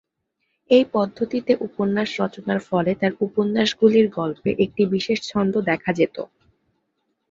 এই পদ্ধতিতে উপন্যাস রচনার ফলে তার উপন্যাসগুলির গল্পে একটি বিশেষ ছন্দ দেখা যেত।